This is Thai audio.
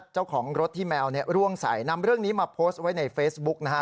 เจ้าของรถที่แมวร่วงใสนำเรื่องนี้มาโพสต์ไว้ในเฟซบุ๊กนะฮะ